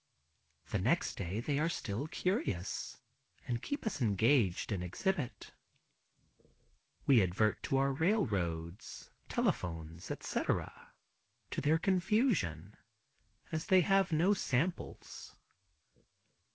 The next day they are still curious, and keep us engaged in exhibit. We advert to our railroads, telephones, etc., to their confusion, as we have no samples.